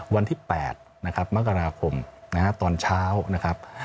วันที่๘นะครับมกราคมนะฮะตอนเช้านะครับ